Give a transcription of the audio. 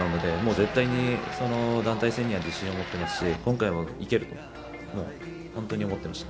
絶対に団体戦には自信を持ってますし今回もいけると本当に思ってました。